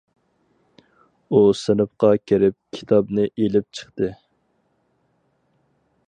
ئۇ سىنىپقا كىرىپ كىتابىنى ئېلىپ چىقتى.